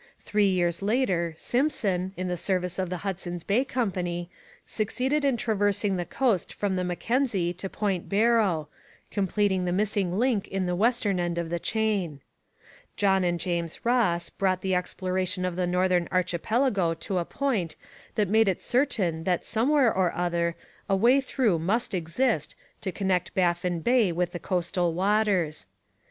Three years later Simpson, in the service of the Hudson's Bay Company, succeeded in traversing the coast from the Mackenzie to Point Barrow, completing the missing link in the western end of the chain. John and James Ross brought the exploration of the northern archipelago to a point that made it certain that somewhere or other a way through must exist to connect Baffin Bay with the coastal waters.